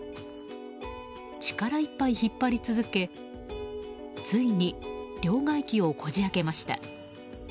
力いっぱい引っ張り続け、ついに両替機をこじ開けました。